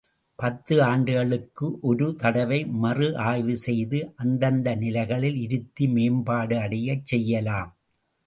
பத்து ஆண்டுகளுக்கு ஒரு தடவை மறு ஆய்வு செய்து அந்தந்த நிலைகளில் இருத்தி மேம்பாடு அடையச் செய்யலாம்.